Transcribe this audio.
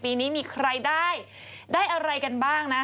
ปีนี้มีใครได้ได้อะไรกันบ้างนะ